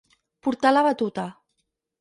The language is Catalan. Portar la batuta.